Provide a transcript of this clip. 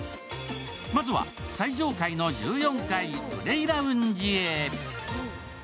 まずは最上階の１４階、プレイラウンジへ。